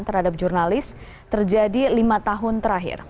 terhadap jurnalis terjadi lima tahun terakhir